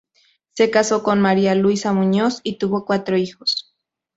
Se casó con María Luisa Muñoz y tuvo cuatro hijos.